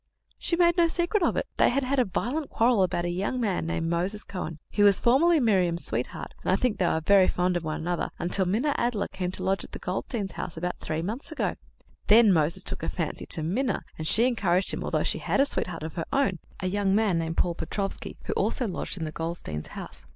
"She made no secret of it. They had had a violent quarrel about a young man named Moses Cohen. He was formerly Miriam's sweetheart, and I think they were very fond of one another until Minna Adler came to lodge at the Goldsteins' house about three months ago. Then Moses took a fancy to Minna, and she encouraged him, although she had a sweetheart of her own, a young man named Paul Petrofsky, who also lodged in the Goldsteins' house.